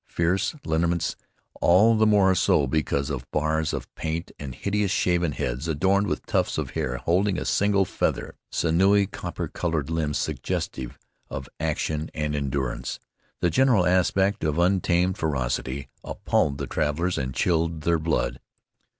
Fierce lineaments, all the more so because of bars of paint, the hideous, shaven heads adorned with tufts of hair holding a single feather, sinewy, copper colored limbs suggestive of action and endurance, the general aspect of untamed ferocity, appalled the travelers and chilled their blood.